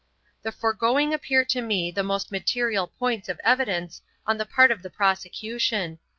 'The foregoing appear to me the most material points of evidence on the part of the prosecution.